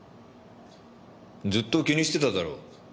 ずっと気にしてただろ。